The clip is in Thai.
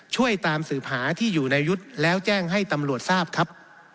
ช่วยตามสืบหาที่อยู่ในยุทธ์แล้วแจ้งให้ตำรวจทราบครับ